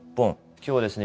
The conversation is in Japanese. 今日はですね